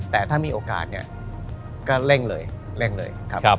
แต่ถ้ามีโอกาสก็เร่งเลย